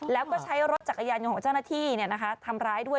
แล้วก็ใช้รถจักรยานยนต์ของเจ้าหน้าที่ทำร้ายด้วย